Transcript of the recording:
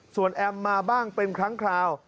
ส่วนแอมมาบ้างเป็นครั้งคราว